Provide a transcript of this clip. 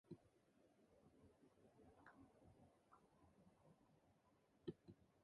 The Austrian Forces use the Glock knife, a very strong knife.